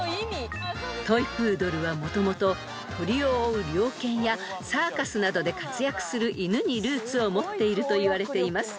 ［トイプードルはもともと鳥を追う猟犬やサーカスなどで活躍する犬にルーツを持っているといわれています］